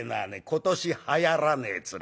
今年はやらねえ面。